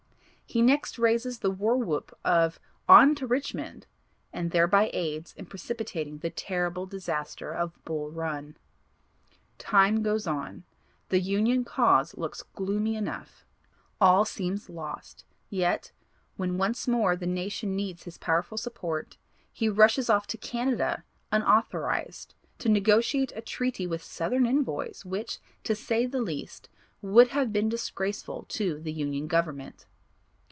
He next raises the war whoop of "On to Richmond," and thereby aids in precipitating the terrible disaster of Bull Run. Time goes on the Union cause looks gloomy enough all seems lost; yet, when once more the nation needs his powerful support he rushes off to Canada unauthorized, to negotiate a treaty with Southern Envoys which, to say the least, would have been disgraceful to the Union Government.